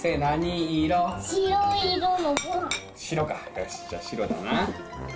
よしじゃ白だな。